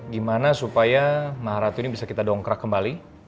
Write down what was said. gimana supaya maharatu ini bisa kita dongkrak kembali